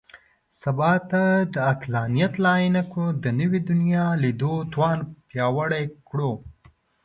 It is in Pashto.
سبا ته د عقلانیت له عینکو د نوي دنیا لیدو توان پیاوړی کړو.